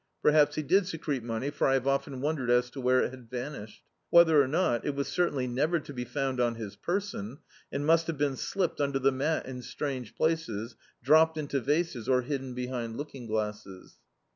Perhaps he did secrete money, for I have oftened wtmdered as to where it had vanished. Whether or not, it was certainly never to be found on his person, and must have been slipped under the mat in strange places, dropped into vases, or hidden behind looking glasses.